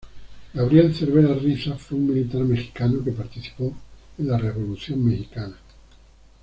Gabriel Cervera Riza fue un militar mexicano que participó en la Revolución mexicana.